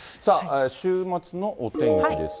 週末のお天気ですが。